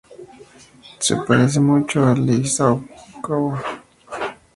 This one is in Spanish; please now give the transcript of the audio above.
Se parece mucho a Ieyasu Tokugawa cuando este era joven.